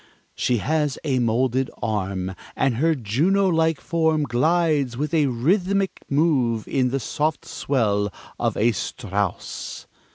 ... "She has a molded arm, and her Juno like form glides with a rhythmic move in the soft swell of a Strauss."